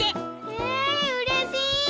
えうれしい！